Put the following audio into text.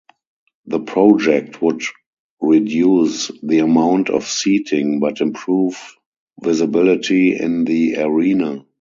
The project would reduce the amount of seating, but improve visibility in the arena.